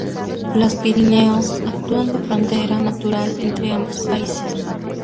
Los Pirineos actúan de frontera natural entre ambos países.